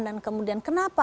dan kemudian kenapa